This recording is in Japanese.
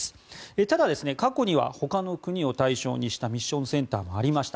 ただ、過去にはほかの国を対象にしたミッションセンターもありました。